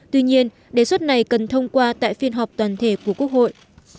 tuy nhiên đề xuất này cần thông qua tại phiên họp toàn thể của quốc hội